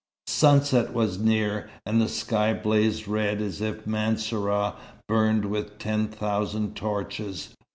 Sunset was near, and the sky blazed red as if Mansourah burned with ten thousand torches.